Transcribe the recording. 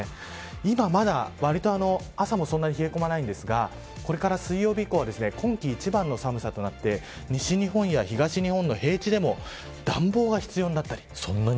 今まだ、わりと朝もそんなに冷え込まないんですがこれから水曜日以降は今季一番の寒さとなって西日本や東日本の平地でも暖房が必要になったり。